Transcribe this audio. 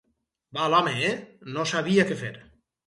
Val, home, eh?, no sabia què fer.